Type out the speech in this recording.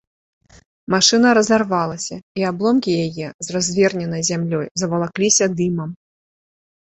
Машына разарвалася, і абломкі яе, з разверненай зямлёй, завалакліся дымам.